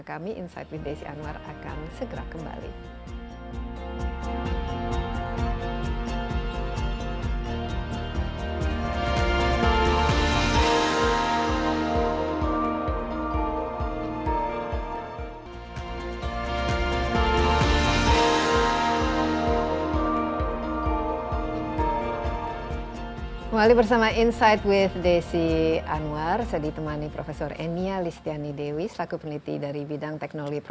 kami insight with desi anwar akan